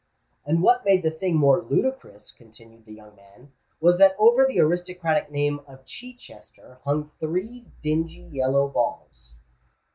"And what made the thing more ludicrous," continued the young man, "was that over the aristocratic name of Chichester hung three dingy yellow balls."